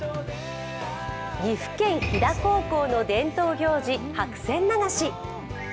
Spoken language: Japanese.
岐阜県斐太高校の伝統行事、白線流し。